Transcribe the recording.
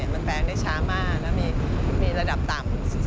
มันแปลงได้ช้ามากแล้วมีระดับต่ำ